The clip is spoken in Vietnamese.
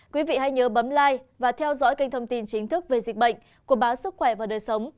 quý vị hãy nhớ bấm lai và theo dõi kênh thông tin chính thức về dịch bệnh của báo sức khỏe và đời sống